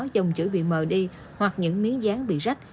dòng chữ bị mờ đi hoặc những miếng dán bị rách